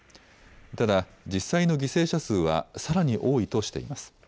ただ、実際の犠牲者数はさらに多いとしています。